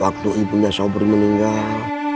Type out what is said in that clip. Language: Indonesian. waktu ibunya sobri meninggal